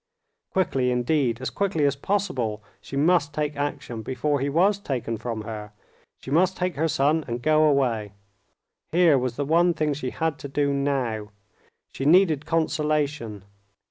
Quickly indeed, as quickly as possible, she must take action before he was taken from her. She must take her son and go away. Here was the one thing she had to do now. She needed consolation.